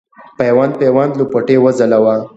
پیوند پیوند لوپټې وځلوه